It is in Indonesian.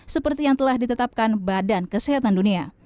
seperti yang telah ditetapkan badan kesehatan dunia